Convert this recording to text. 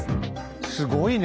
すごいね。